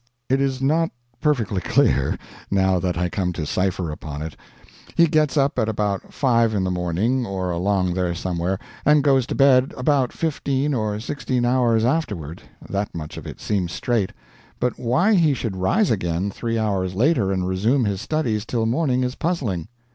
It is not perfectly clear, now that I come to cipher upon it. He gets up at about 5 in the morning, or along there somewhere, and goes to bed about fifteen or sixteen hours afterward that much of it seems straight; but why he should rise again three hours later and resume his studies till morning is puzzling.